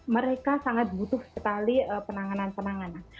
mereka sangat butuh sekali penanganan penanganan